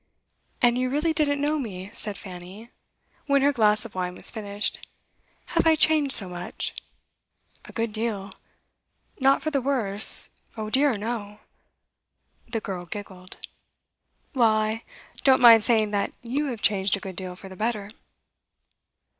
'And you really didn't know me?' said Fanny, when her glass of wine was finished. 'Have I changed so much?' 'A good deal. Not for the worse, oh dear no!' The girl giggled. 'Well, I don't mind saying that you have changed a good deal for the better.